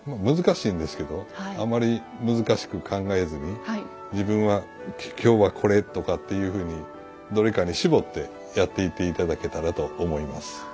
難しいんですけどあまり難しく考えずに自分は今日はこれとかっていうふうにどれかに絞ってやっていって頂けたらと思います。